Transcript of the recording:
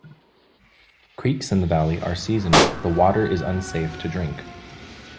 Creeks in the valley are seasonal, the water is unsafe to drink.